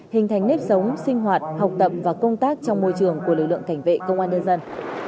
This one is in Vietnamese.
hình thành nếp sống sinh hoạt học tập và công tác trong môi trường của lực lượng cảnh vệ công an nhân dân